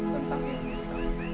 tentang ilmu hitam